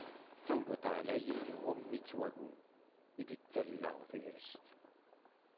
Tamguḍt ɛlayen iɣumm-itt wagu i d-tettaleɣ tegrest.